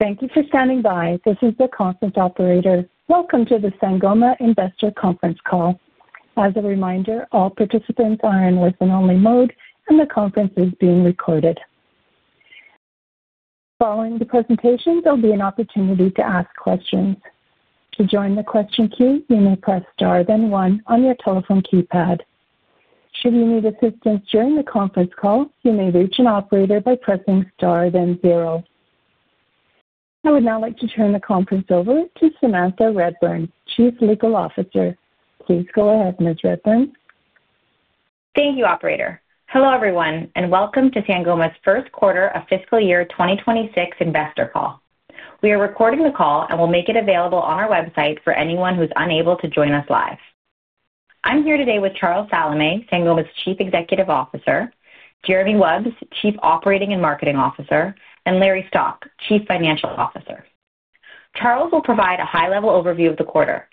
Thank you for standing by. This is the conference operator. Welcome to the Sangoma Investor Conference call. As a reminder, all participants are in listen-only mode, and the conference is being recorded. Following the presentations, there will be an opportunity to ask questions. To join the question queue, you may press star then one on your telephone keypad. Should you need assistance during the conference call, you may reach an operator by pressing star then zero. I would now like to turn the conference over to Samantha Reburn, Chief Legal Officer. Please go ahead, Ms. Reburn. Thank you, Operator. Hello, everyone, and welcome to Sangoma's First Quarter of Fiscal Year 2026 Investor Call. We are recording the call and will make it available on our website for anyone who's unable to join us live. I'm here today with Charles Salameh, Sangoma's Chief Executive Officer, Jeremy Wubs, Chief Operating and Marketing Officer, and Larry Stock, Chief Financial Officer. Charles will provide a high-level overview of the quarter.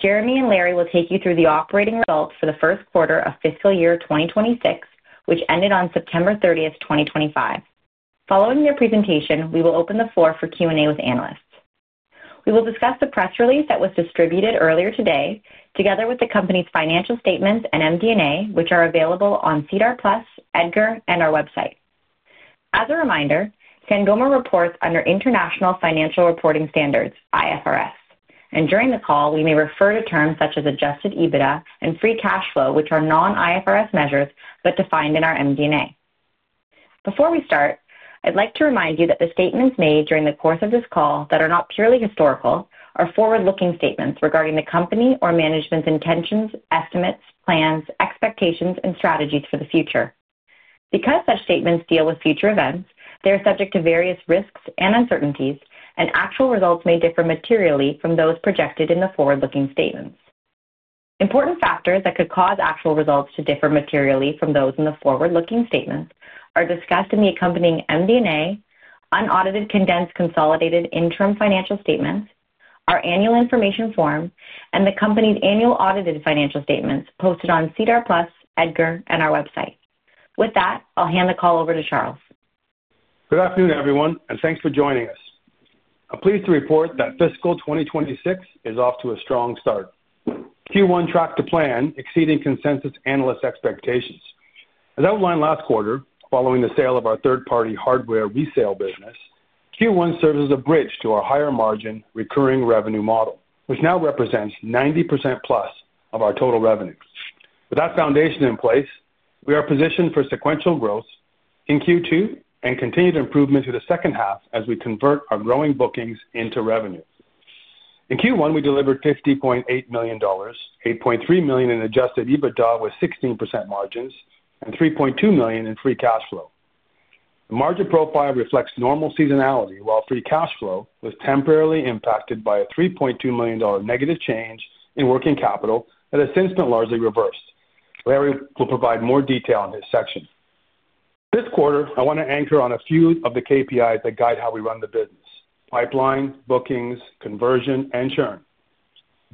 Jeremy and Larry will take you through the operating results for the first quarter of fiscal year 2026, which ended on September 30, 2025. Following their presentation, we will open the floor for Q&A with analysts. We will discuss the press release that was distributed earlier today, together with the company's financial statements and MD&A, which are available on SEDAR+, EDGAR, and our website. As a reminder, Sangoma reports under International Financial Reporting Standards, IFRS, and during the call, we may refer to terms such as adjusted EBITDA and free cash flow, which are non-IFRS measures but defined in our MD&A. Before we start, I'd like to remind you that the statements made during the course of this call that are not purely historical are forward-looking statements regarding the company or management's intentions, estimates, plans, expectations, and strategies for the future. Because such statements deal with future events, they are subject to various risks and uncertainties, and actual results may differ materially from those projected in the forward-looking statements. Important factors that could cause actual results to differ materially from those in the forward-looking statements are discussed in the accompanying MD&A, unaudited condensed consolidated interim financial statements, our annual information form, and the company's annual audited financial statements posted on SEDAR+, EDGAR, and our website. With that, I'll hand the call over to Charles. Good afternoon, everyone, and thanks for joining us. I'm pleased to report that fiscal 2026 is off to a strong start. Q1 tracked to plan exceeding consensus analyst expectations. As outlined last quarter, following the sale of our third-party hardware resale business, Q1 serves as a bridge to our higher-margin recurring revenue model, which now represents 90% plus of our total revenue. With that foundation in place, we are positioned for sequential growth in Q2 and continued improvement through the second half as we convert our growing bookings into revenue. In Q1, we delivered $50.8 million, $8.3 million in adjusted EBITDA with 16% margins, and $3.2 million in free cash flow. The margin profile reflects normal seasonality, while free cash flow was temporarily impacted by a $3.2 million negative change in working capital that has since been largely reversed. Larry will provide more detail in his section. This quarter, I want to anchor on a few of the KPIs that guide how we run the business: pipeline, bookings, conversion, and churn.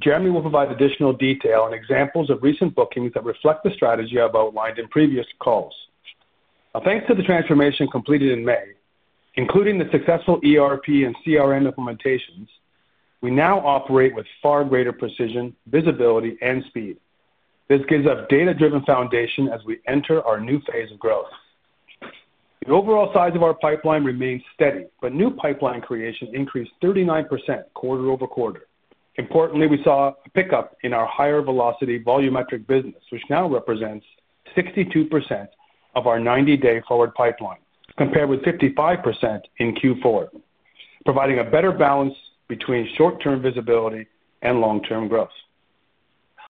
Jeremy will provide additional detail and examples of recent bookings that reflect the strategy I've outlined in previous calls. Thanks to the transformation completed in May, including the successful ERP and CRM implementations, we now operate with far greater precision, visibility, and speed. This gives us a data-driven foundation as we enter our new phase of growth. The overall size of our pipeline remains steady, but new pipeline creation increased 39% quarter over quarter. Importantly, we saw a pickup in our higher-velocity volumetric business, which now represents 62% of our 90-day forward pipeline, compared with 55% in Q4, providing a better balance between short-term visibility and long-term growth.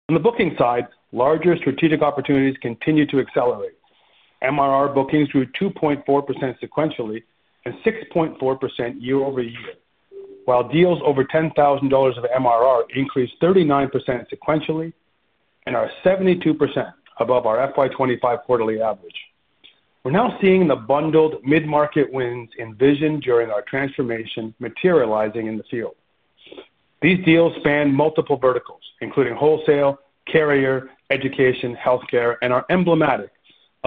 On the booking side, larger strategic opportunities continue to accelerate. MRR bookings grew 2.4% sequentially and 6.4% year-over-year, while deals over $10,000 of MRR increased 39% sequentially and are 72% above our FY25 quarterly average. We're now seeing the bundled mid-market wins envisioned during our transformation materializing in the field. These deals span multiple verticals, including wholesale, carrier, education, healthcare, and are emblematic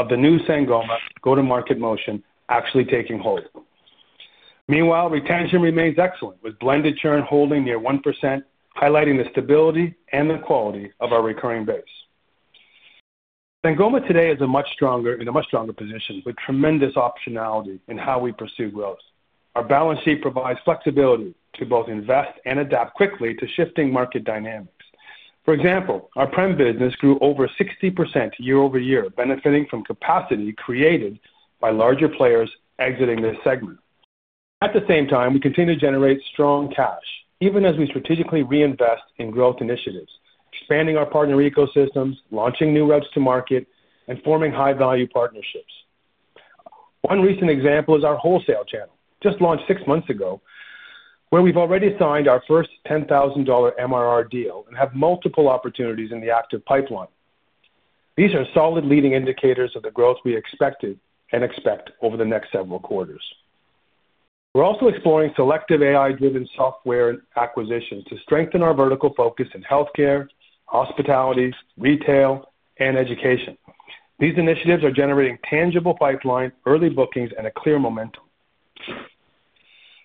of the new Sangoma go-to-market motion actually taking hold. Meanwhile, retention remains excellent, with blended churn holding near 1%, highlighting the stability and the quality of our recurring base. Sangoma today is in a much stronger position with tremendous optionality in how we pursue growth. Our balance sheet provides flexibility to both invest and adapt quickly to shifting market dynamics. For example, our prem business grew over 60% year-over-year, benefiting from capacity created by larger players exiting this segment. At the same time, we continue to generate strong cash, even as we strategically reinvest in growth initiatives, expanding our partner ecosystems, launching new routes to market, and forming high-value partnerships. One recent example is our wholesale channel, just launched six months ago, where we've already signed our first $10,000 MRR deal and have multiple opportunities in the active pipeline. These are solid leading indicators of the growth we expected and expect over the next several quarters. We're also exploring selective AI-driven software acquisitions to strengthen our vertical focus in healthcare, hospitality, retail, and education. These initiatives are generating tangible pipeline, early bookings, and a clear momentum.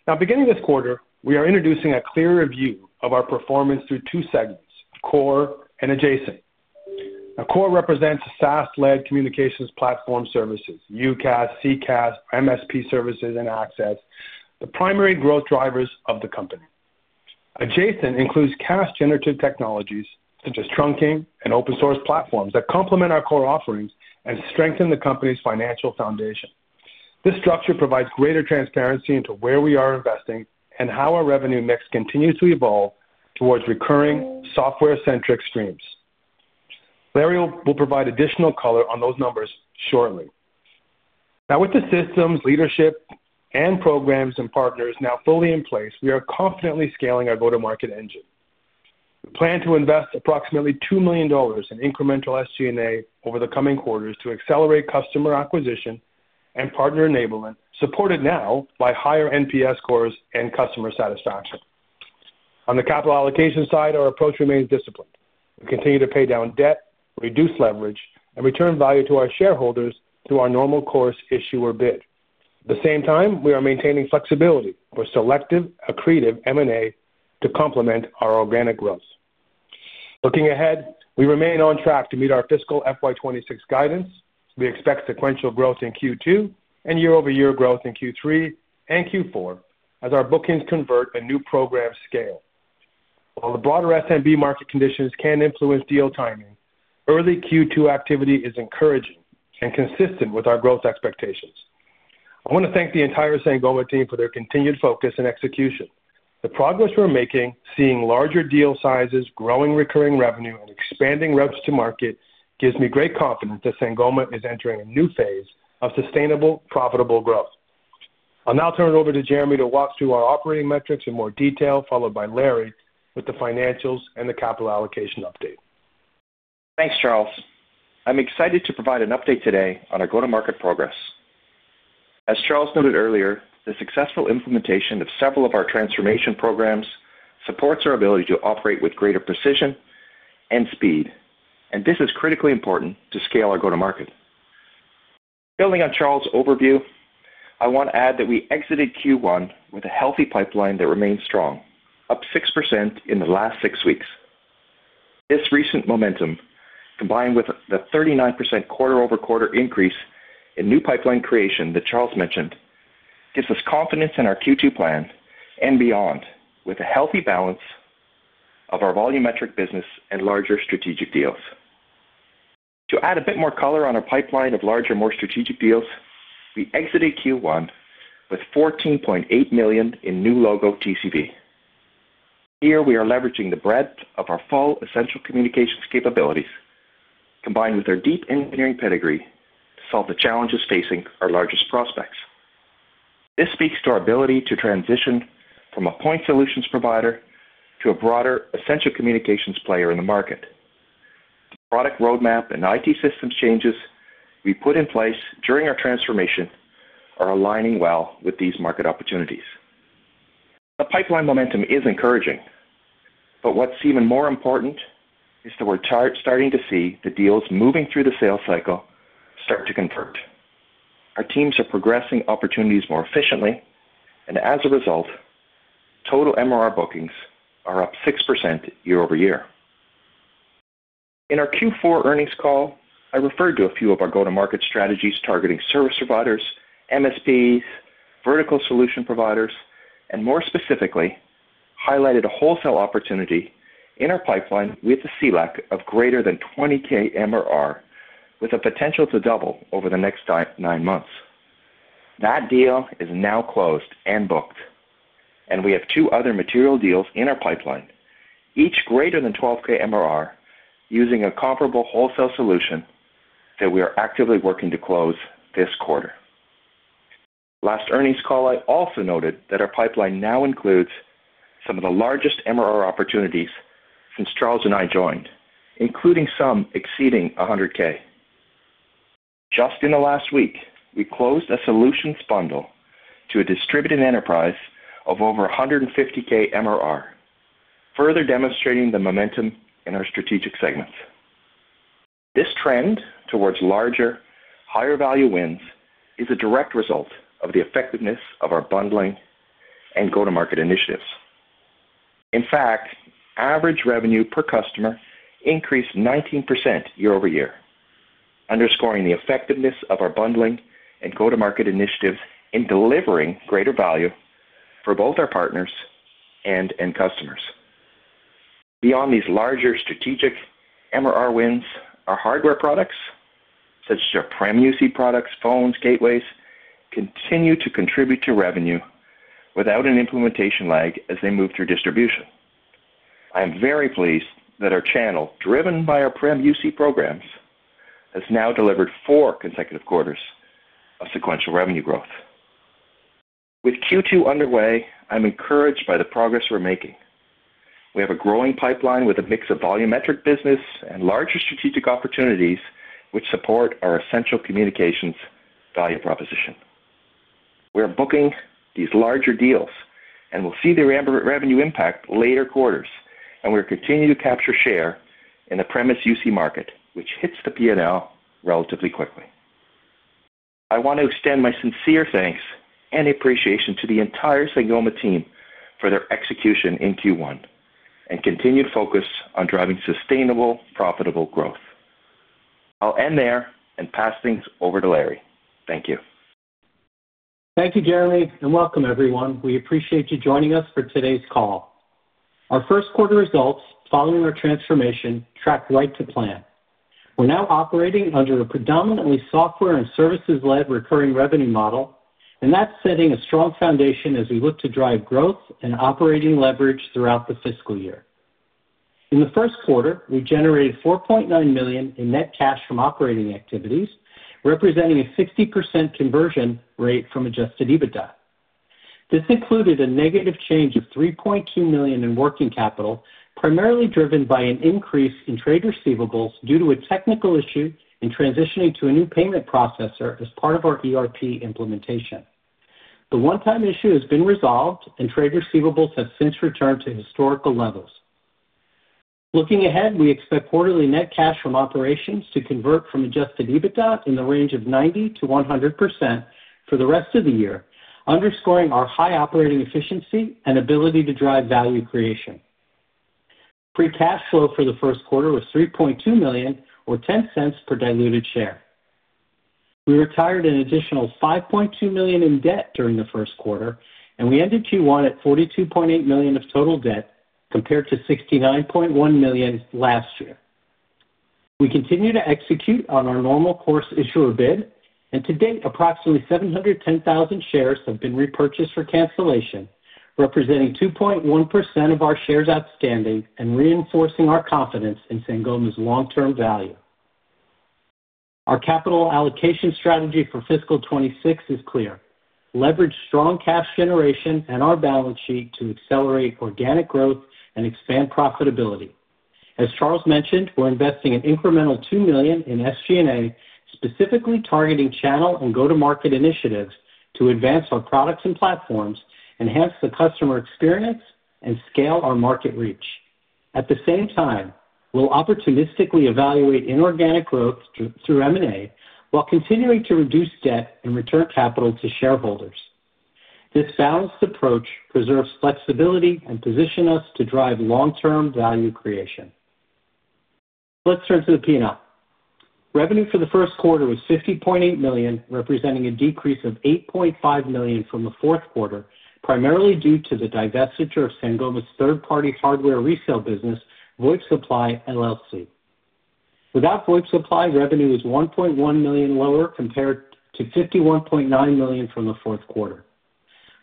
Now, beginning this quarter, we are introducing a clearer view of our performance through two segments: core and adjacent. Now, core represents SaaS-led communications platform services: UCaaS, CCaaS, MSP services, and access, the primary growth drivers of the company. Adjacent includes cash-generative technologies such as trunking and open-source platforms that complement our core offerings and strengthen the company's financial foundation. This structure provides greater transparency into where we are investing and how our revenue mix continues to evolve towards recurring software-centric streams. Larry will provide additional color on those numbers shortly. Now, with the systems, leadership, and programs and partners now fully in place, we are confidently scaling our go-to-market engine. We plan to invest approximately $2 million in incremental SG&A over the coming quarters to accelerate customer acquisition and partner enablement, supported now by higher NPS scores and customer satisfaction. On the capital allocation side, our approach remains disciplined. We continue to pay down debt, reduce leverage, and return value to our shareholders through our normal course issuer bid. At the same time, we are maintaining flexibility for selective accretive M&A to complement our organic growth. Looking ahead, we remain on track to meet our fiscal FY26 guidance. We expect sequential growth in Q2 and year-over-year growth in Q3 and Q4 as our bookings convert and new programs scale. While the broader SMB market conditions can influence deal timing, early Q2 activity is encouraging and consistent with our growth expectations. I want to thank the entire Sangoma team for their continued focus and execution. The progress we're making, seeing larger deal sizes, growing recurring revenue, and expanding routes to market gives me great confidence that Sangoma is entering a new phase of sustainable, profitable growth. I'll now turn it over to Jeremy to walk through our operating metrics in more detail, followed by Larry with the financials and the capital allocation update. Thanks, Charles. I'm excited to provide an update today on our go-to-market progress. As Charles noted earlier, the successful implementation of several of our transformation programs supports our ability to operate with greater precision and speed, and this is critically important to scale our go-to-market. Building on Charles' overview, I want to add that we exited Q1 with a healthy pipeline that remains strong, up 6% in the last six weeks. This recent momentum, combined with the 39% quarter-over-quarter increase in new pipeline creation that Charles mentioned, gives us confidence in our Q2 plan and beyond with a healthy balance of our volumetric business and larger strategic deals. To add a bit more color on our pipeline of larger, more strategic deals, we exited Q1 with $14.8 million in new logo TCV. Here, we are leveraging the breadth of our full essential communications capabilities, combined with our deep engineering pedigree, to solve the challenges facing our largest prospects. This speaks to our ability to transition from a point solutions provider to a broader essential communications player in the market. The product roadmap and IT systems changes we put in place during our transformation are aligning well with these market opportunities. The pipeline momentum is encouraging, but what is even more important is that we are starting to see the deals moving through the sales cycle start to convert. Our teams are progressing opportunities more efficiently, and as a result, total MRR bookings are up 6% year-over-year. In our Q4 earnings call, I referred to a few of our go-to-market strategies targeting service providers, MSPs, vertical solution providers, and more specifically, highlighted a wholesale opportunity in our pipeline with a CLEC of greater than $20,000 MRR, with a potential to double over the next nine months. That deal is now closed and booked, and we have two other material deals in our pipeline, each greater than $12,000 MRR, using a comparable wholesale solution that we are actively working to close this quarter. Last earnings call, I also noted that our pipeline now includes some of the largest MRR opportunities since Charles and I joined, including some exceeding $110,000. Just in the last week, we closed a solutions bundle to a distributed enterprise of over $150,000 MRR, further demonstrating the momentum in our strategic segments. This trend towards larger, higher-value wins is a direct result of the effectiveness of our bundling and go-to-market initiatives. In fact, average revenue per customer increased 19% year-over-year, underscoring the effectiveness of our bundling and go-to-market initiatives in delivering greater value for both our partners and end customers. Beyond these larger strategic MRR wins, our hardware products, such as our prem UC products, phones, gateways, continue to contribute to revenue without an implementation lag as they move through distribution. I am very pleased that our channel, driven by our prem UC programs, has now delivered four consecutive quarters of sequential revenue growth. With Q2 underway, I'm encouraged by the progress we're making. We have a growing pipeline with a mix of volumetric business and larger strategic opportunities, which support our essential communications value proposition. We're booking these larger deals and will see the revenue impact later quarters, and we're continuing to capture share in the premise UC market, which hits the P&L relatively quickly. I want to extend my sincere thanks and appreciation to the entire Sangoma team for their execution in Q1 and continued focus on driving sustainable, profitable growth. I'll end there and pass things over to Larry. Thank you. Thank you, Jeremy, and welcome, everyone. We appreciate you joining us for today's call. Our first quarter results, following our transformation, tracked right to plan. We're now operating under a predominantly software and services-led recurring revenue model, and that's setting a strong foundation as we look to drive growth and operating leverage throughout the fiscal year. In the first quarter, we generated $4.9 million in net cash from operating activities, representing a 60% conversion rate from adjusted EBITDA. This included a negative change of $3.2 million in working capital, primarily driven by an increase in trade receivables due to a technical issue in transitioning to a new payment processor as part of our ERP implementation. The one-time issue has been resolved, and trade receivables have since returned to historical levels. Looking ahead, we expect quarterly net cash from operations to convert from adjusted EBITDA in the range of 90%-100% for the rest of the year, underscoring our high operating efficiency and ability to drive value creation. Free cash flow for the first quarter was $3.2 million, or $0.10 per diluted share. We retired an additional $5.2 million in debt during the first quarter, and we ended Q1 at $42.8 million of total debt, compared to $69.1 million last year. We continue to execute on our normal course issuer bid, and to date, approximately 710,000 shares have been repurchased for cancellation, representing 2.1% of our shares outstanding and reinforcing our confidence in Sangoma's long-term value. Our capital allocation strategy for fiscal 2026 is clear: leverage strong cash generation and our balance sheet to accelerate organic growth and expand profitability. As Charles mentioned, we're investing an incremental $2 million in SG&A, specifically targeting channel and go-to-market initiatives to advance our products and platforms, enhance the customer experience, and scale our market reach. At the same time, we'll opportunistically evaluate inorganic growth through M&A while continuing to reduce debt and return capital to shareholders. This balanced approach preserves flexibility and positions us to drive long-term value creation. Let's turn to the P&L. Revenue for the first quarter was $50.8 million, representing a decrease of $8.5 million from the fourth quarter, primarily due to the divestiture of Sangoma's third-party hardware resale business, VoIP Supply. Without VoIP Supply, revenue is $1.1 million lower compared to $51.9 million from the fourth quarter.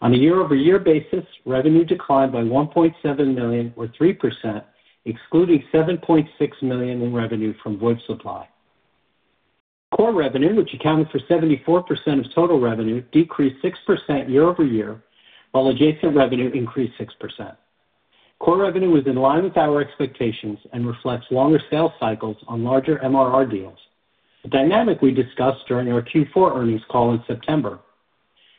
On a year-over-year basis, revenue declined by $1.7 million, or 3%, excluding $7.6 million in revenue from VoIP Supply. Core revenue, which accounted for 74% of total revenue, decreased 6% year-over-year, while adjacent revenue increased 6%. Core revenue was in line with our expectations and reflects longer sales cycles on larger MRR deals, a dynamic we discussed during our Q4 earnings call in September.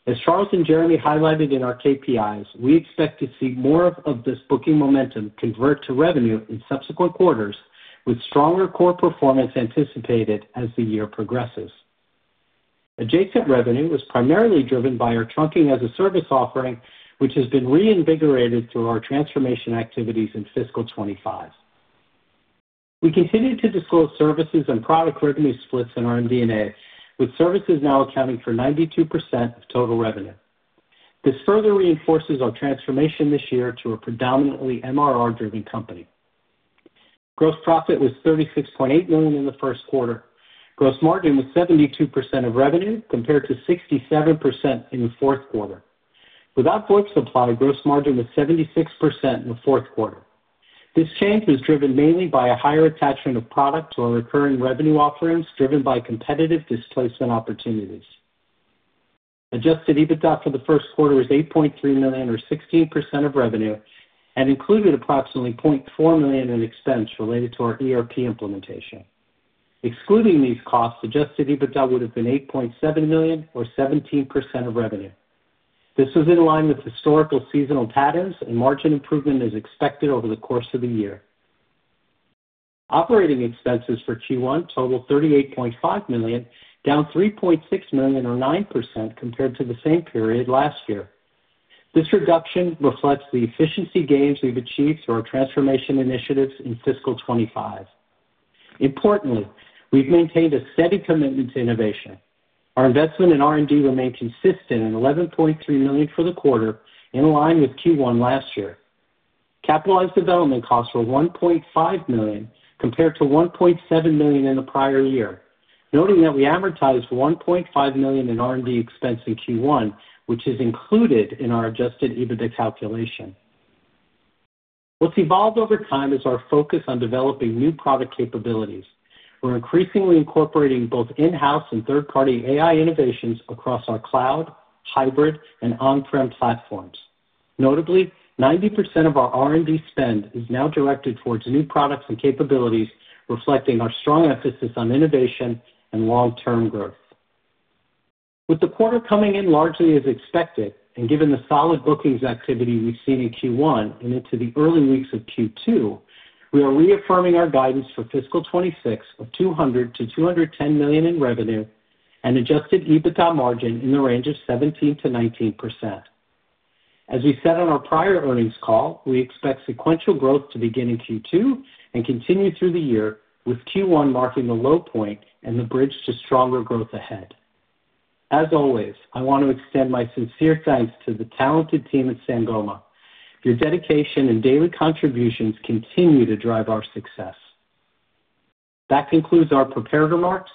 As Charles and Jeremy highlighted in our KPIs, we expect to see more of this booking momentum convert to revenue in subsequent quarters, with stronger core performance anticipated as the year progresses. Adjacent revenue was primarily driven by our trunking as a service offering, which has been reinvigorated through our transformation activities in fiscal 2025. We continue to disclose services and product revenue splits in our MD&A, with services now accounting for 92% of total revenue. This further reinforces our transformation this year to a predominantly MRR-driven company. Gross profit was $36.8 million in the first quarter. Gross margin was 72% of revenue, compared to 67% in the fourth quarter. Without VoIP Supply, gross margin was 76% in the fourth quarter. This change was driven mainly by a higher attachment of product to our recurring revenue offerings, driven by competitive displacement opportunities. Adjusted EBITDA for the first quarter was $8.3 million, or 16% of revenue, and included approximately $0.4 million in expense related to our ERP implementation. Excluding these costs, adjusted EBITDA would have been $8.7 million, or 17% of revenue. This was in line with historical seasonal patterns, and margin improvement is expected over the course of the year. Operating expenses for Q1 totaled $38.5 million, down $3.6 million, or 9%, compared to the same period last year. This reduction reflects the efficiency gains we've achieved through our transformation initiatives in fiscal 2025. Importantly, we've maintained a steady commitment to innovation. Our investment in R&D remained consistent at $11.3 million for the quarter, in line with Q1 last year. Capitalized development costs were $1.5 million, compared to $1.7 million in the prior year, noting that we amortized $1.5 million in R&D expense in Q1, which is included in our adjusted EBITDA calculation. What's evolved over time is our focus on developing new product capabilities. We're increasingly incorporating both in-house and third-party AI innovations across our cloud, hybrid, and on-prem platforms. Notably, 90% of our R&D spend is now directed towards new products and capabilities, reflecting our strong emphasis on innovation and long-term growth. With the quarter coming in largely as expected, and given the solid bookings activity we've seen in Q1 and into the early weeks of Q2, we are reaffirming our guidance for fiscal 2026 of $200 million-$210 million in revenue and adjusted EBITDA margin in the range of 17%-19%. As we said on our prior earnings call, we expect sequential growth to begin in Q2 and continue through the year, with Q1 marking the low point and the bridge to stronger growth ahead. As always, I want to extend my sincere thanks to the talented team at Sangoma. Your dedication and daily contributions continue to drive our success. That concludes our prepared remarks.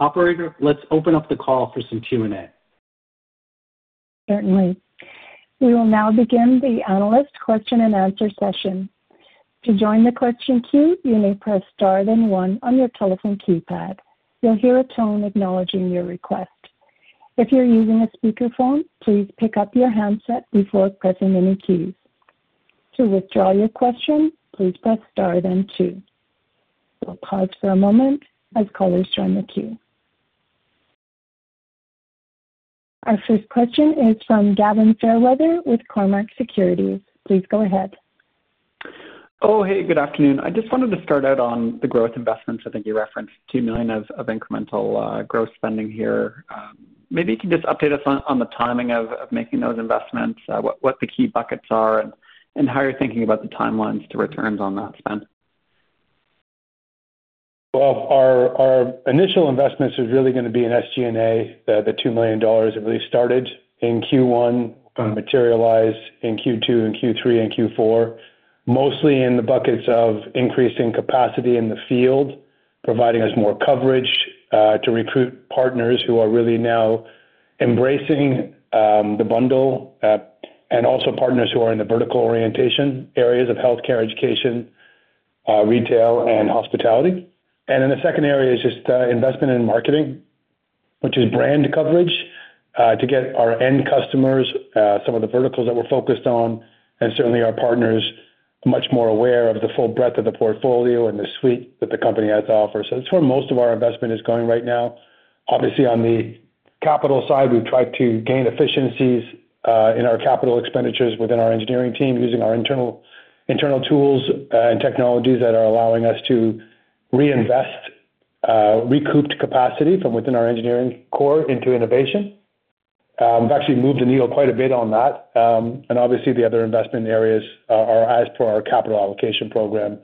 Operator, let's open up the call for some Q&A. Certainly. We will now begin the analyst question and answer session. To join the question queue, you may press star then one on your telephone keypad. You'll hear a tone acknowledging your request. If you're using a speakerphone, please pick up your handset before pressing any keys. To withdraw your question, please press star then two. We'll pause for a moment as callers join the queue. Our first question is from Gavin Fairweather with Cormark Securities. Please go ahead. Oh, hey, good afternoon. I just wanted to start out on the growth investments. I think you referenced $2 million of incremental growth spending here. Maybe you can just update us on the timing of making those investments, what the key buckets are, and how you're thinking about the timelines to returns on that spend. Our initial investments are really going to be in SG&A. The $2 million that really started in Q1 materialized in Q2 and Q3 and Q4, mostly in the buckets of increasing capacity in the field, providing us more coverage to recruit partners who are really now embracing the bundle, and also partners who are in the vertical orientation areas of healthcare, education, retail, and hospitality. The second area is just investment in marketing, which is brand coverage to get our end customers, some of the verticals that we're focused on, and certainly our partners much more aware of the full breadth of the portfolio and the suite that the company has to offer. That is where most of our investment is going right now. Obviously, on the capital side, we've tried to gain efficiencies in our capital expenditures within our engineering team, using our internal tools and technologies that are allowing us to reinvest recouped capacity from within our engineering core into innovation. We've actually moved the needle quite a bit on that. The other investment areas are as per our capital allocation program,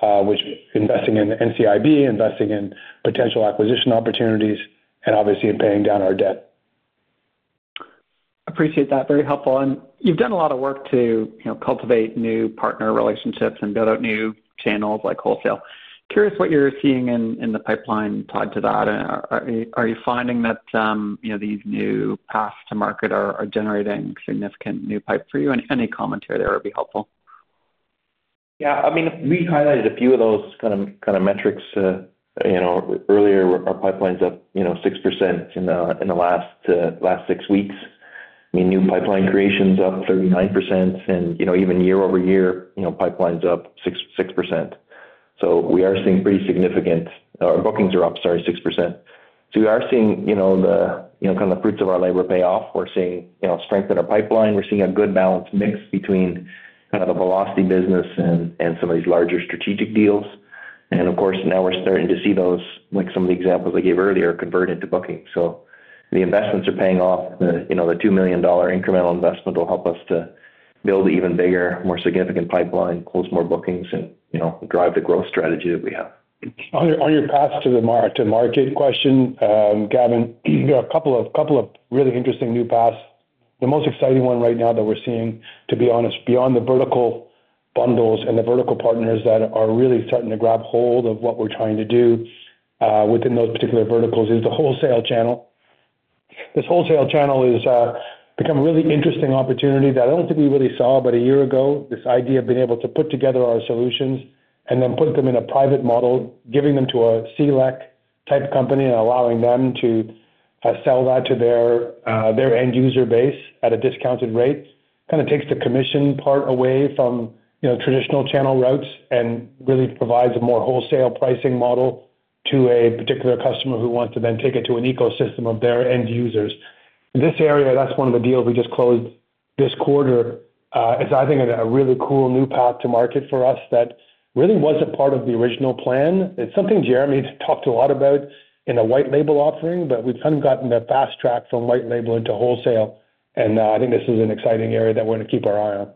which is investing in NCIB, investing in potential acquisition opportunities, and obviously paying down our debt. Appreciate that. Very helpful. You have done a lot of work to cultivate new partner relationships and build out new channels like wholesale. Curious what you are seeing in the pipeline tied to that. Are you finding that these new paths to market are generating significant new pipe for you? Any commentary there would be helpful. Yeah. I mean, we highlighted a few of those kind of metrics earlier. Our pipeline's up 6% in the last six weeks. I mean, new pipeline creation's up 39%, and even year-over-year, pipeline's up 6%. We are seeing pretty significant, our bookings are up, sorry, 6%. We are seeing the kind of fruits of our labor pay off. We're seeing strength in our pipeline. We're seeing a good balanced mix between kind of the velocity business and some of these larger strategic deals. Of course, now we're starting to see those, like some of the examples I gave earlier, convert into booking. The investments are paying off. The $2 million incremental investment will help us to build an even bigger, more significant pipeline, close more bookings, and drive the growth strategy that we have. On your path to the market question, Gavin, there are a couple of really interesting new paths. The most exciting one right now that we're seeing, to be honest, beyond the vertical bundles and the vertical partners that are really starting to grab hold of what we're trying to do within those particular verticals, is the wholesale channel. This wholesale channel has become a really interesting opportunity that I don't think we really saw but a year ago, this idea of being able to put together our solutions and then put them in a private model, giving them to a CLEC type company and allowing them to sell that to their end user base at a discounted rate. Kind of takes the commission part away from traditional channel routes and really provides a more wholesale pricing model to a particular customer who wants to then take it to an ecosystem of their end users. In this area, that's one of the deals we just closed this quarter. It's, I think, a really cool new path to market for us that really wasn't part of the original plan. It's something Jeremy talked a lot about in a white label offering, but we've kind of gotten the fast track from white label into wholesale. I think this is an exciting area that we're going to keep our eye on.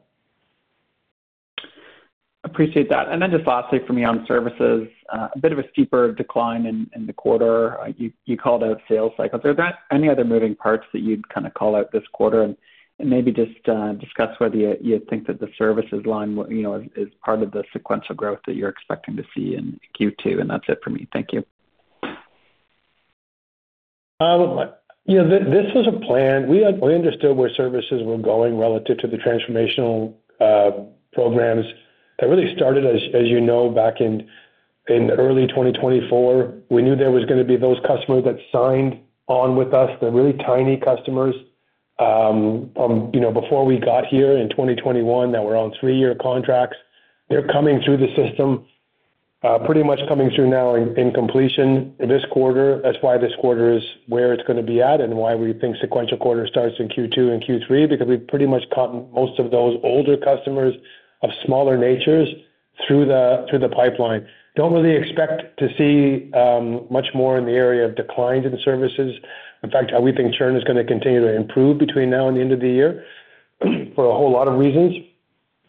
Appreciate that. Lastly for me on services, a bit of a steeper decline in the quarter. You called out sales cycles. Are there any other moving parts that you'd kind of call out this quarter and maybe just discuss whether you think that the services line is part of the sequential growth that you're expecting to see in Q2? That's it for me. Thank you. This was a plan. We understood where services were going relative to the transformational programs. That really started, as you know, back in early 2024. We knew there was going to be those customers that signed on with us, the really tiny customers from before we got here in 2021 that were on three-year contracts. They're coming through the system, pretty much coming through now in completion this quarter. That's why this quarter is where it's going to be at and why we think sequential quarter starts in Q2 and Q3, because we've pretty much gotten most of those older customers of smaller natures through the pipeline. Don't really expect to see much more in the area of declines in services. In fact, we think churn is going to continue to improve between now and the end of the year for a whole lot of reasons,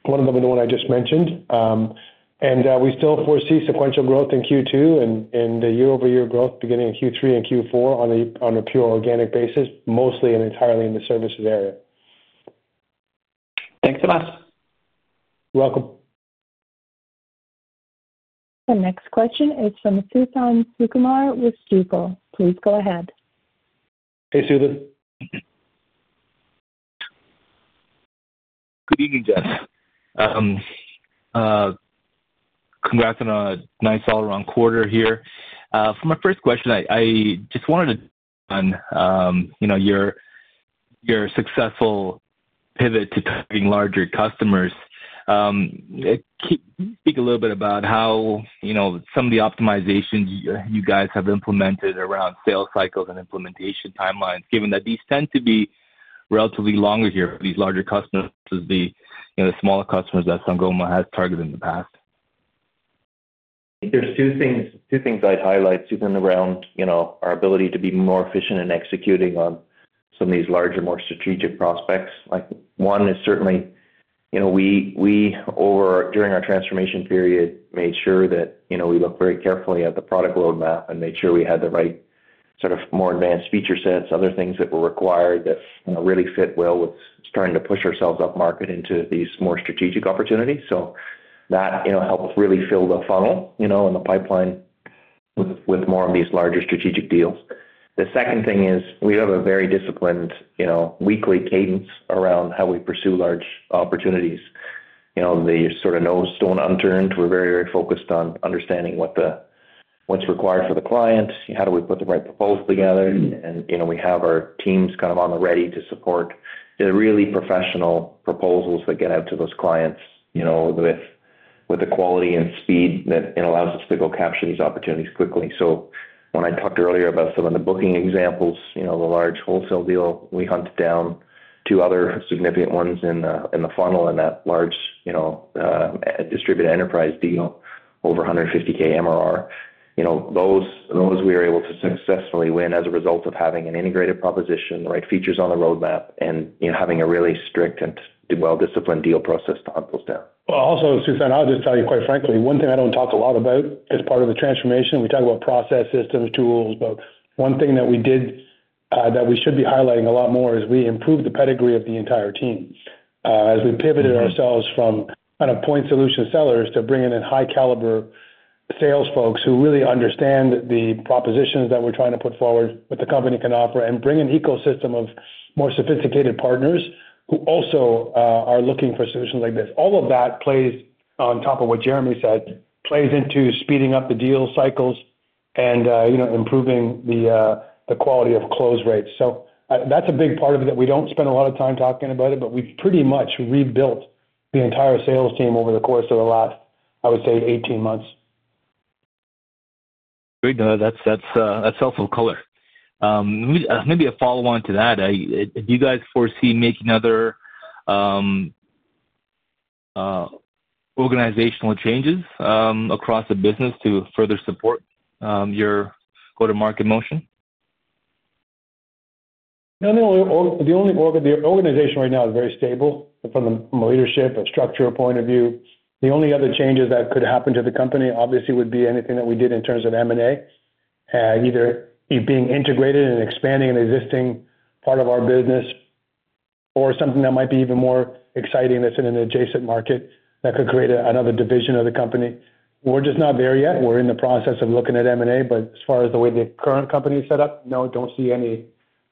one of them the one I just mentioned. We still foresee sequential growth in Q2 and the year-over-year growth beginning in Q3 and Q4 on a pure organic basis, mostly and entirely in the services area. Thanks so much. You're welcome. The next question is from Suthan Sukumar with Stifel. Please go ahead. Hey, Suthan. Good evening, Jeremy. Congrats on a nice all-around quarter here. For my first question, I just wanted to touch on your successful pivot to targeting larger customers. Can you speak a little bit about how some of the optimizations you guys have implemented around sales cycles and implementation timelines, given that these tend to be relatively longer here for these larger customers than the smaller customers that Sangoma has targeted in the past? I think there are two things I'd highlight, Suthan, around our ability to be more efficient in executing on some of these larger, more strategic prospects. One is certainly we, during our transformation period, made sure that we looked very carefully at the product roadmap and made sure we had the right sort of more advanced feature sets, other things that were required that really fit well with trying to push ourselves up market into these more strategic opportunities. That helped really fill the funnel and the pipeline with more of these larger strategic deals. The second thing is we have a very disciplined weekly cadence around how we pursue large opportunities. The sort of no stone unturned. We're very, very focused on understanding what's required for the client, how do we put the right proposal together, and we have our teams kind of on the ready to support the really professional proposals that get out to those clients with the quality and speed that allows us to go capture these opportunities quickly. When I talked earlier about some of the booking examples, the large wholesale deal, we hunted down two other significant ones in the funnel in that large distributed enterprise deal over $150,000 MRR. Those we were able to successfully win as a result of having an integrated proposition, the right features on the roadmap, and having a really strict and well-disciplined deal process to hunt those down. Suthan, I'll just tell you quite frankly, one thing I don't talk a lot about as part of the transformation, we talk about process systems, tools, but one thing that we did that we should be highlighting a lot more is we improved the pedigree of the entire team. As we pivoted ourselves from kind of point solution sellers to bringing in high-caliber sales folks who really understand the propositions that we're trying to put forward, what the company can offer, and bring an ecosystem of more sophisticated partners who also are looking for solutions like this. All of that plays on top of what Jeremy said, plays into speeding up the deal cycles and improving the quality of close rates. That's a big part of it that we don't spend a lot of time talking about, but we've pretty much rebuilt the entire sales team over the course of the last, I would say, 18 months. Great. That's helpful color. Maybe a follow-on to that, do you guys foresee making other organizational changes across the business to further support your go-to-market motion? The organization right now is very stable from a leadership and structural point of view. The only other changes that could happen to the company, obviously, would be anything that we did in terms of M&A, either being integrated and expanding an existing part of our business or something that might be even more exciting that's in an adjacent market that could create another division of the company. We're just not there yet. We're in the process of looking at M&A, but as far as the way the current company is set up, no, don't see any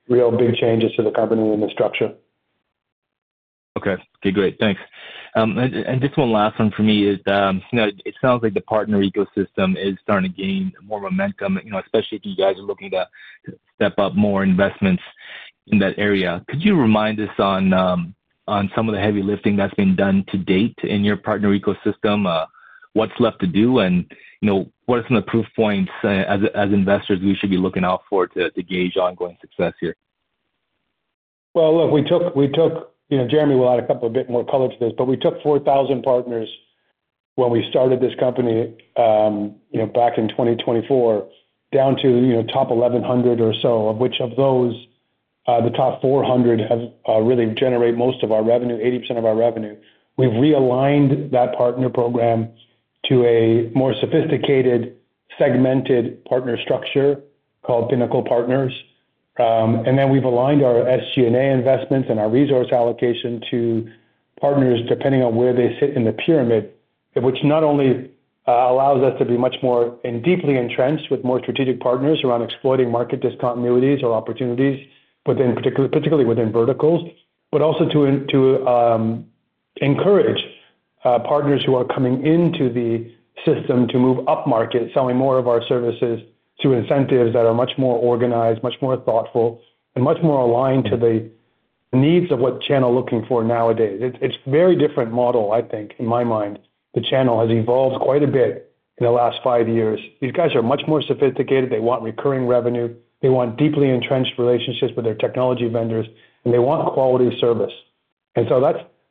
real big changes to the company and the structure. Okay. Okay. Great. Thanks. Just one last one for me. It sounds like the partner ecosystem is starting to gain more momentum, especially if you guys are looking to step up more investments in that area. Could you remind us on some of the heavy lifting that's been done to date in your partner ecosystem? What's left to do, and what are some of the proof points as investors we should be looking out for to gauge ongoing success here? Look, we took—Jeremy will add a bit more color to this—but we took 4,000 partners when we started this company back in 2024 down to top 1,100 or so, of which of those the top 400 really generate most of our revenue, 80% of our revenue. We've realigned that partner program to a more sophisticated segmented partner structure called Pinnacle Partners. We have aligned our SG&A investments and our resource allocation to partners depending on where they sit in the pyramid, which not only allows us to be much more and deeply entrenched with more strategic partners around exploiting market discontinuities or opportunities, particularly within verticals, but also to encourage partners who are coming into the system to move up market, selling more of our services through incentives that are much more organized, much more thoughtful, and much more aligned to the needs of what channel looking for nowadays. It is a very different model, I think, in my mind. The channel has evolved quite a bit in the last five years. These guys are much more sophisticated. They want recurring revenue. They want deeply entrenched relationships with their technology vendors, and they want quality service.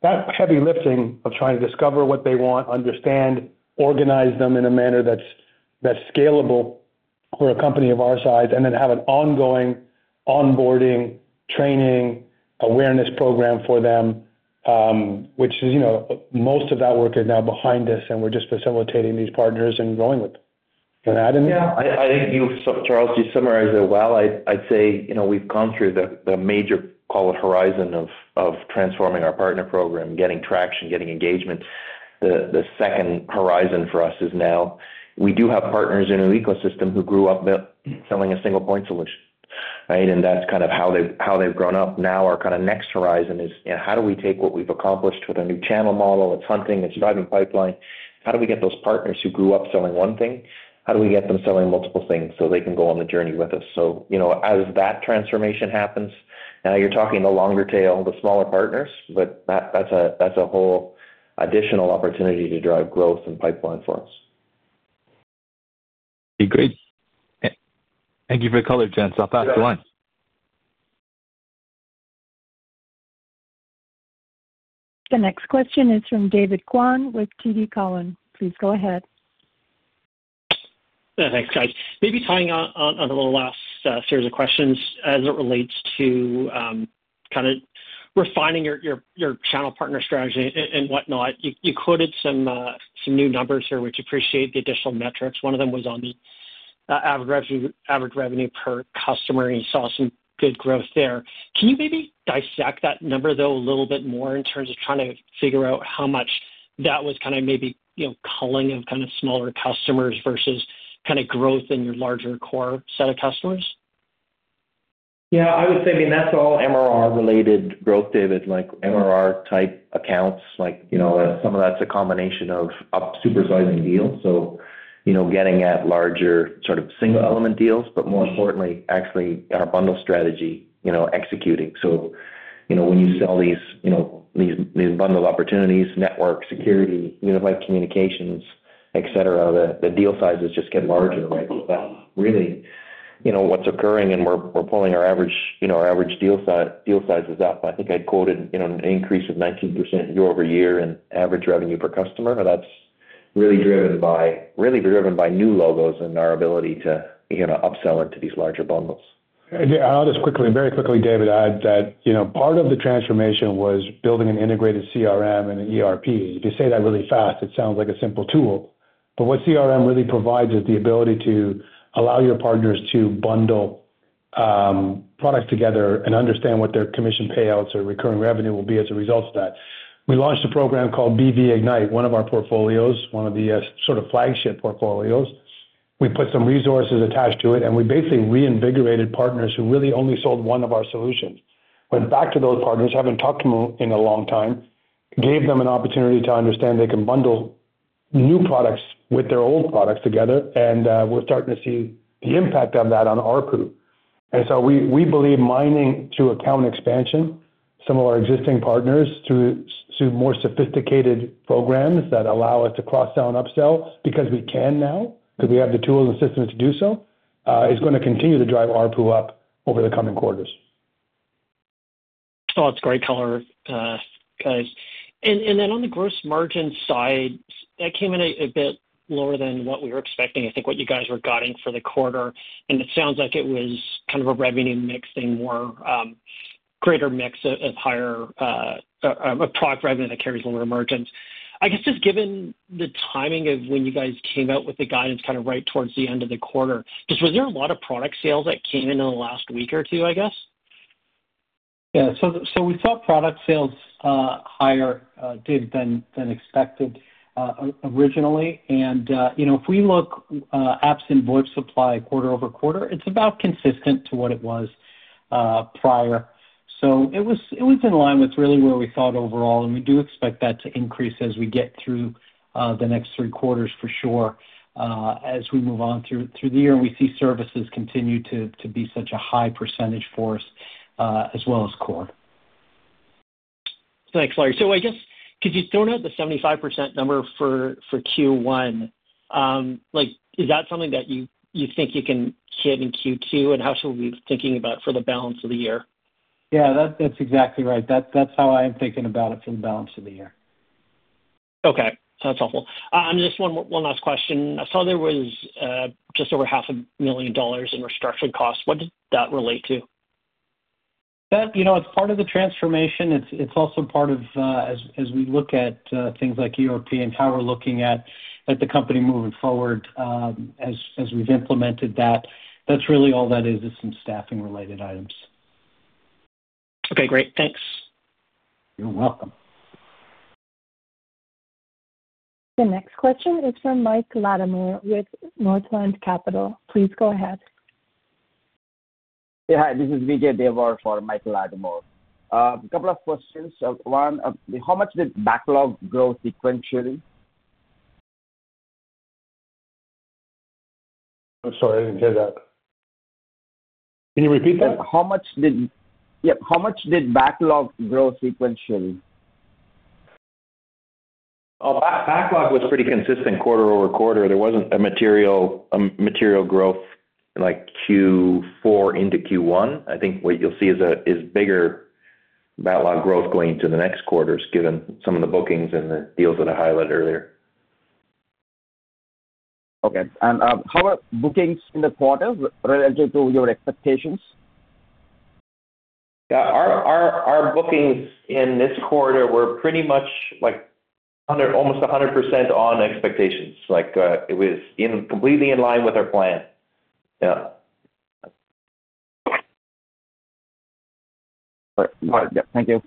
That heavy lifting of trying to discover what they want, understand, organize them in a manner that's scalable for a company of our size, and then have an ongoing onboarding, training, awareness program for them, most of that work is now behind us, and we're just facilitating these partners and growing with them. Can I add anything? Yeah. I think you, Charles, you summarized it well. I'd say we've gone through the major, call it, horizon of transforming our partner program, getting traction, getting engagement. The second horizon for us is now we do have partners in an ecosystem who grew up selling a single point solution, right? And that's kind of how they've grown up. Now our kind of next horizon is how do we take what we've accomplished with a new channel model? It's hunting. It's driving pipeline. How do we get those partners who grew up selling one thing? How do we get them selling multiple things so they can go on the journey with us? As that transformation happens, now you're talking the longer tail, the smaller partners, but that's a whole additional opportunity to drive growth and pipeline for us. Okay. Great. Thank you for the color, Jeremy.I'll pass the line. The next question is from David Kwan with TD Cowen. Please go ahead. Thanks, guys. Maybe tying on the little last series of questions as it relates to kind of refining your channel partner strategy and whatnot, you quoted some new numbers here, which appreciate the additional metrics. One of them was on the average revenue per customer, and you saw some good growth there. Can you maybe dissect that number, though, a little bit more in terms of trying to figure out how much that was kind of maybe culling of kind of smaller customers versus kind of growth in your larger core set of customers? Yeah. I would say, I mean, that's all MRR-related growth, David, like MRR-type accounts. Some of that's a combination of upsizing deals. Getting at larger sort of single-element deals, but more importantly, actually our bundle strategy executing. When you sell these bundle opportunities, network, security, unified communications, etc., the deal sizes just get larger, right? That's really what's occurring, and we're pulling our average deal sizes up. I think I quoted an increase of 19% year-over-year in average revenue per customer. That's really driven by new logos and our ability to upsell into these larger bundles. I'll just quickly, very quickly, David, add that part of the transformation was building an integrated CRM and an ERP. If you say that really fast, it sounds like a simple tool. What CRM really provides is the ability to allow your partners to bundle products together and understand what their commission payouts or recurring revenue will be as a result of that. We launched a program called BV Ignite, one of our portfolios, one of the sort of flagship portfolios. We put some resources attached to it, and we basically reinvigorated partners who really only sold one of our solutions. Went back to those partners, have not talked to them in a long time, gave them an opportunity to understand they can bundle new products with their old products together, and we're starting to see the impact of that on our pool. We believe mining through account expansion, some of our existing partners through more sophisticated programs that allow us to cross-sell and upsell because we can now, because we have the tools and systems to do so, is going to continue to drive our pool up over the coming quarters. Oh, that's great color, guys. Then on the gross margin side, that came in a bit lower than what we were expecting, I think, what you guys were guiding for the quarter. It sounds like it was kind of a revenue mix thing, more greater mix of product revenue that carries lower margins. I guess just given the timing of when you guys came out with the guidance kind of right towards the end of the quarter, was there a lot of product sales that came in in the last week or two, I guess? Yeah. We saw product sales higher, David, than expected originally. If we look at apps and VoIP Supply quarter over quarter, it is about consistent to what it was prior. It was in line with really where we thought overall, and we do expect that to increase as we get through the next three quarters for sure as we move on through the year. We see services continue to be such a high percentage for us as well as core. Thanks, Larry. I guess could you throw out the 75% number for Q1? Is that something that you think you can hit in Q2, and how should we be thinking about for the balance of the year? Yeah. That's exactly right. That's how I'm thinking about it for the balance of the year. Okay. That's helpful. I'm just one last question. I saw there was just over $500,000 in restructuring costs. What did that relate to? That's part of the transformation. It's also part of, as we look at things like ERP and how we're looking at the company moving forward as we've implemented that, that's really all that is, is some staffing-related items. Okay. Great. Thanks. You're welcome. The next question is from Mike Latimore with Northland Capital. Please go ahead. Yeah. Hi. This is Vijay Devar for Mike Lattimore. A couple of questions. One, how much did backlog grow sequentially? I'm sorry. I didn't hear that. Can you repeat that? Yeah. How much did backlog grow sequentially? Oh, backlog was pretty consistent quarter over quarter. There wasn't a material growth like Q4 into Q1. I think what you'll see is bigger backlog growth going into the next quarters given some of the bookings and the deals that I highlighted earlier. Okay. How are bookings in the quarters relative to your expectations? Yeah. Our bookings in this quarter were pretty much almost 100% on expectations. It was completely in line with our plan. Yeah. All right. Yeah. Thank you.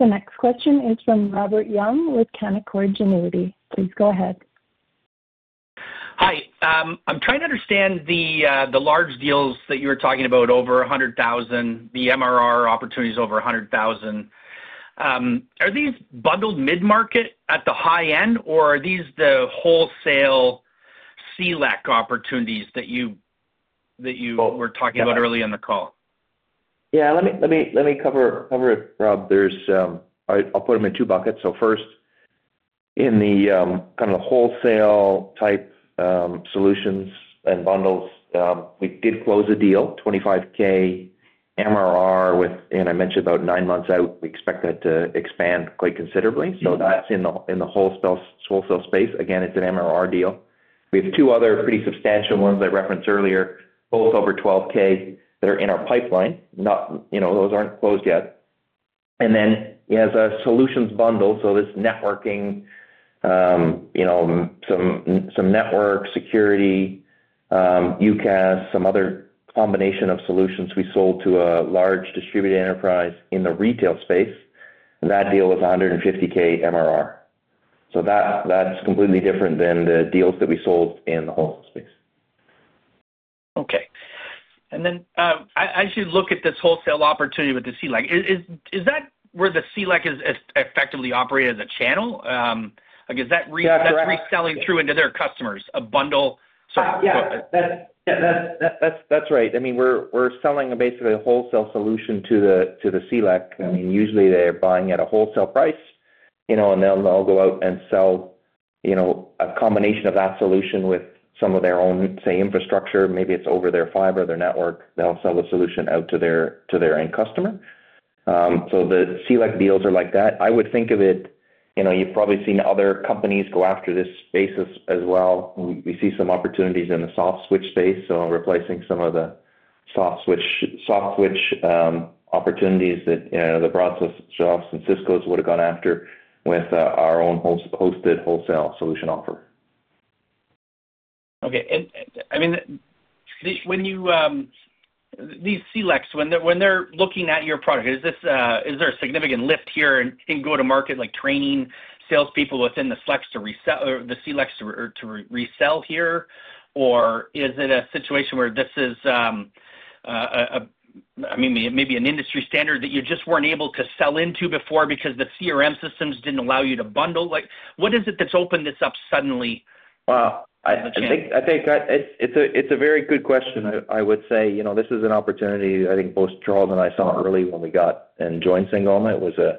The next question is from Robert Young with Canaccord Genuity. Please go ahead. Hi. I'm trying to understand the large deals that you were talking about over $100,000, the MRR opportunities over $100,000. Are these bundled mid-market at the high end, or are these the wholesale CLEC opportunities that you were talking about earlier in the call? Yeah. Let me cover it, Rob. I'll put them in two buckets. First, in the kind of wholesale-type solutions and bundles, we did close a deal, $25,000 MRR, and I mentioned about nine months out, we expect that to expand quite considerably. That is in the wholesale space. Again, it's an MRR deal. We have two other pretty substantial ones I referenced earlier, both over $12,000 that are in our pipeline. Those are not closed yet. Then as a solutions bundle, this is networking, some network security, UCaaS, some other combination of solutions we sold to a large distributed enterprise in the retail space, that deal was $150,000 MRR. That is completely different than the deals that we sold in the wholesale space. Okay. I should look at this wholesale opportunity with the CLEC. Is that where the CLEC is effectively operated as a channel? Is that reselling through into their customers, a bundle sort of? Yeah. That's right. I mean, we're selling basically a wholesale solution to the CLEC. I mean, usually they're buying at a wholesale price, and they'll go out and sell a combination of that solution with some of their own, say, infrastructure. Maybe it's over their fiber, their network. They'll sell the solution out to their end customer. So the CLEC deals are like that. I would think of it, you've probably seen other companies go after this space as well. We see some opportunities in the soft switch space, so replacing some of the soft switch opportunities that the process jobs and Cisco's would have gone after with our own hosted wholesale solution offer. Okay. I mean, these CLECs, when they're looking at your product, is there a significant lift here in go-to-market, like training salespeople within the CLECs to resell here, or is it a situation where this is, I mean, maybe an industry standard that you just weren't able to sell into before because the CRM systems didn't allow you to bundle? What is it that's opened this up suddenly? I think it's a very good question. I would say this is an opportunity I think both Charles and I saw early when we got and joined Sangoma. It was a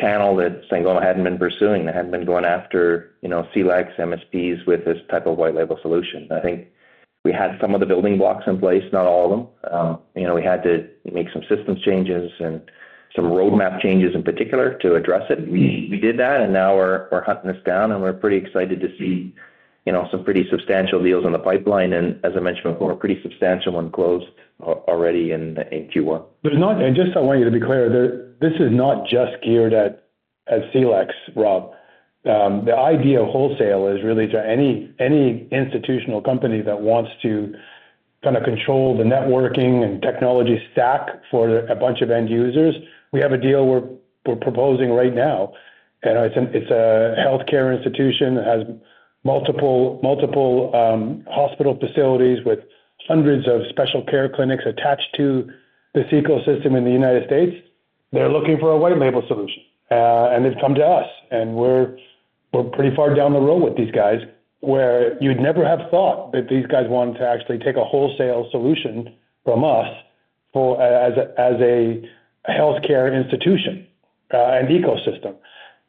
channel that Sangoma hadn't been pursuing. They hadn't been going after CLECs, MSPs with this type of white-label solution. I think we had some of the building blocks in place, not all of them. We had to make some systems changes and some roadmap changes in particular to address it. We did that, and now we're hunting this down, and we're pretty excited to see some pretty substantial deals in the pipeline. As I mentioned before, pretty substantial one closed already in Q1. Just so I want you to be clear, this is not just geared at CLECs, Rob. The idea of wholesale is really to any institutional company that wants to kind of control the networking and technology stack for a bunch of end users. We have a deal we're proposing right now. It is a healthcare institution that has multiple hospital facilities with hundreds of special care clinics attached to this ecosystem in the United States. They are looking for a white-label solution, and they have come to us. We are pretty far down the road with these guys where you would never have thought that these guys wanted to actually take a wholesale solution from us as a healthcare institution and ecosystem.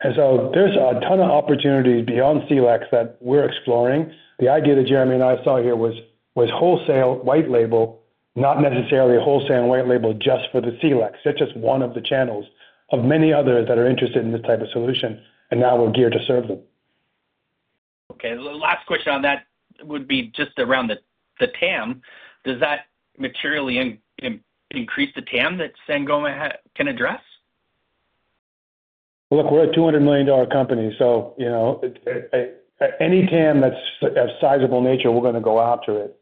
There is a ton of opportunities beyond CLECs that we are exploring. The idea that Jeremy and I saw here was wholesale, white-label, not necessarily wholesale and white-label just for the CLECs. They're just one of the channels of many others that are interested in this type of solution, and now we're geared to serve them. Okay. Last question on that would be just around the TAM. Does that materially increase the TAM that Sangoma can address? Look, we're a $200 million company. Any TAM that's of sizable nature, we're going to go after it.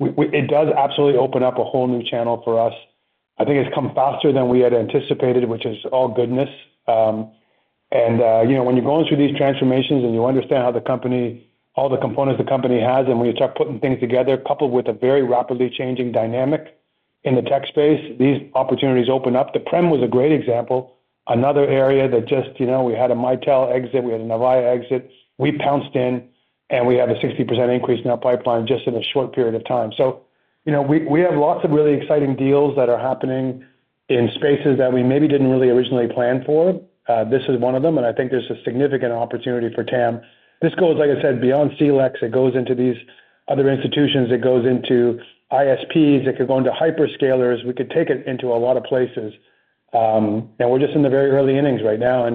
It does absolutely open up a whole new channel for us. I think it's come faster than we had anticipated, which is all goodness. When you're going through these transformations and you understand how all the components the company has, and when you start putting things together coupled with a very rapidly changing dynamic in the tech space, these opportunities open up. The Prem was a great example. Another area that just we had a Mitel exit. We had an Avaya exit. We pounced in, and we have a 60% increase in our pipeline just in a short period of time. We have lots of really exciting deals that are happening in spaces that we maybe didn't really originally plan for. This is one of them, and I think there's a significant opportunity for TAM. This goes, like I said, beyond CLECs. It goes into these other institutions. It goes into ISPs. It could go into hyperscalers. We could take it into a lot of places. We are just in the very early innings right now.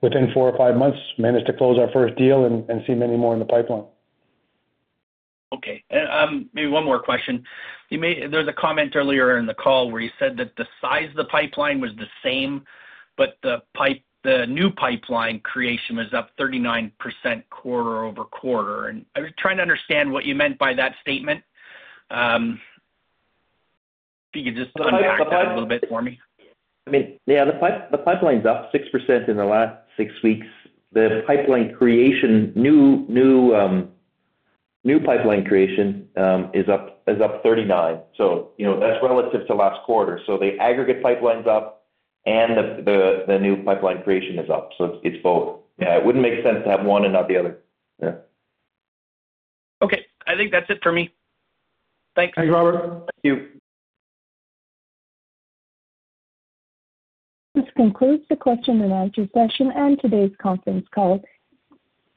Within four or five months, managed to close our first deal and see many more in the pipeline. Okay. Maybe one more question. There was a comment earlier in the call where you said that the size of the pipeline was the same, but the new pipeline creation was up 39% quarter over quarter. I was trying to understand what you meant by that statement. If you could just put them back together a little bit for me. I mean, yeah, the pipeline's up 6% in the last six weeks. The pipeline creation, new pipeline creation is up 39%. So that's relative to last quarter. So the aggregate pipeline's up, and the new pipeline creation is up. It's both. Yeah. It wouldn't make sense to have one and not the other. Yeah. Okay. I think that's it for me. Thanks. Thanks, Robert. Thank you. This concludes the question and answer session and today's conference call.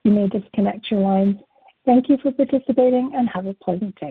You may disconnect your lines. Thank you for participating and have a pleasant day.